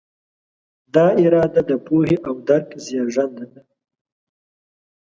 دا اراده د پوهې او درک زېږنده ده.